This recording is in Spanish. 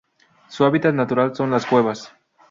Su hábitat natural son: las cuevas.